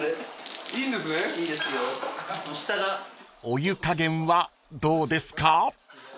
［お湯加減はどうですか？］